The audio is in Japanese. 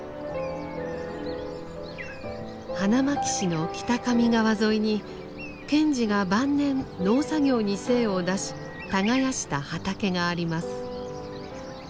花巻市の北上川沿いに賢治が晩年農作業に精を出し耕した畑があります。